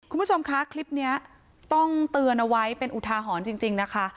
คุณผู้ชมคะคลิปนี้ต้องเตือนเอาไว้เป็นอุทาหรณ์จริงนะคะ